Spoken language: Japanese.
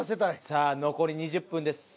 さあ残り２０分です。